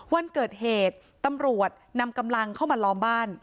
วันเกิดเหตุตำรวจนำกำลังเข้ามาล้อมบ้าน